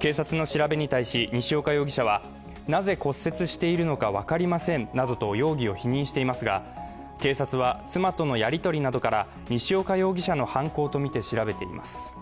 警察の調べに対し、西岡容疑者は、なぜ骨折しているのか分かりませんなどと容疑を否認していますが、警察は妻とのやりとりなどから西岡容疑者の犯行とみて調べています。